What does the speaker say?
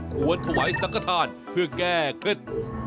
ควรถวายสังกฐานเพื่อแก้เคล็ด